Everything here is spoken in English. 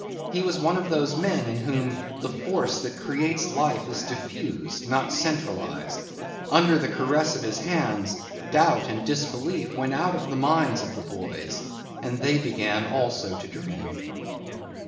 He was one of those men in whom the force that creates life is diffused, not centralized. Under the caress of his hands doubt and disbelief went out of the minds of the boys and they began also to dream.